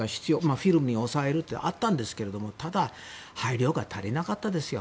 フィルムに収めるというのがあったんですがただ、配慮が足りなかったですよ。